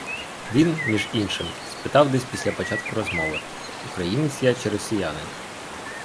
Він, між іншим, спитав десь після початку розмови: українець я чи росіянин?